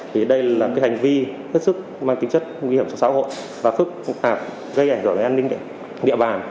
thì đây là cái hành vi hết sức mang tính chất nguy hiểm cho xã hội và phức tạp gây ảnh hưởng đến an ninh địa bàn